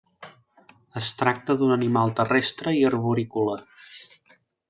Es tracta d'un animal terrestre i arborícola.